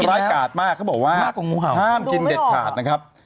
ร้ายกาดมากเขาบอกว่างูเห่าห้ามกินเด็ดขาดนะครับ